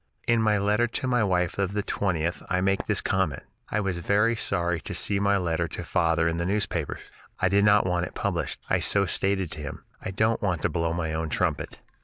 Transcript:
In my letter to my wife of the 20th I make this comment: "I was very sorry to see my letter to father in the newspapers. I did not want it published. I so stated to him. I don't want to blow my own trumpet.